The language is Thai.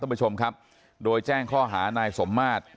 ท่านผู้ชมครับโดยแจ้งข้อหานายสมมาตร